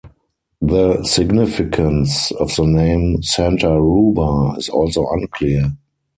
The significance of the name "Santa Ruba" is also unclear.